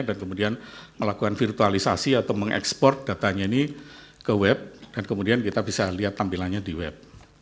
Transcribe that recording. dan kemudian melakukan virtualisasi atau mengekspor datanya ini ke web dan kemudian kita bisa lihat tampilannya di web